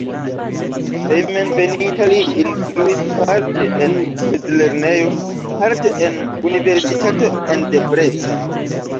Hejmenveninta li instruis parte en mezlernejo, parte en universitato en Debrecen.